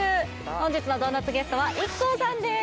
本日のドーナツゲストはＩＫＫＯさんです